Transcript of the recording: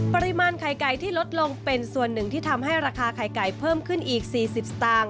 ปริมาณไข่ไก่ที่ลดลงเป็นส่วนหนึ่งที่ทำให้ราคาไข่ไก่เพิ่มขึ้นอีก๔๐สตางค์